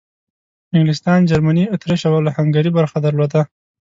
انګلستان، جرمني، اطریش او هنګري برخه درلوده.